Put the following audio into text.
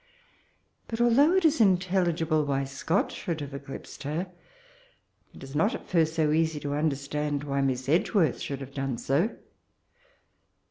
But Jthoogh it is intelligible why Soott should have eclipsed her, it is not at first so easy to understand why Miss Edge worth should have done so.